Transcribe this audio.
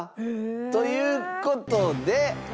という事で全国